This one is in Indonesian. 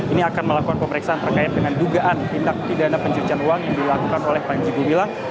ini akan melakukan pemeriksaan terkait dengan dugaan tindak pidana pencucian uang yang dilakukan oleh panji gumilang